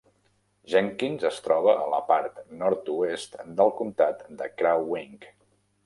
Jenkins es troba a la part nord-oest del Comtat de Crow Wing.